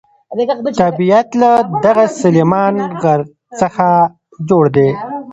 طبیعت له دغه سلیمان غر څخه جوړ دی.